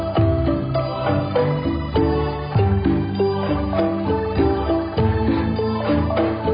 ที่สุดท้ายที่สุดท้ายที่สุดท้าย